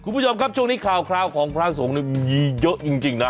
คุณผู้ชมครับช่วงนี้ข่าวคราวของพระสงฆ์มีเยอะจริงนะ